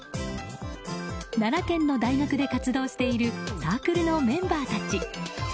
奈良県の大学で活動しているサークルのメンバーたち。